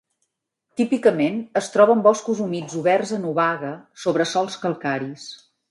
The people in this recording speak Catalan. Típicament es troba en boscos humits oberts en obaga sobre sòls calcaris.